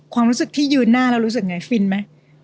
ความรู้สึกที่ยืนหน้าเรารู้สึกไงฟินไหม